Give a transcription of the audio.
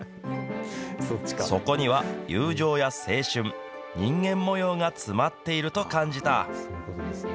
そこには友情や青春、人間模様が詰まっていると感じた。